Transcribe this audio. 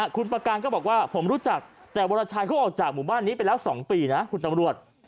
คุณประการก็บอกว่าผมรู้จักแต่วรชัยเขาออกจากหมู่บ้านนี้ไปแล้ว๒ปีนะคุณตำรวจ